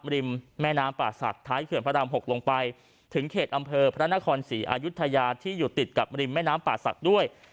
ริมแม่น้ำป่าศักดิ์ท้ายเขื่อนพระราม๖ลงไปถึงเขตอำเภอพระนครศรีอายุทยาที่อยู่ติดกับริมแม่น้ำป่าศักดิ์ด้วย